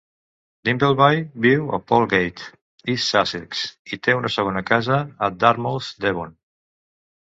Dimbleby viu a Polegate, East Sussex, i té una segona casa a Dartmouth, Devon.